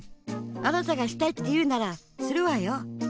あなたがしたいっていうならするわよ。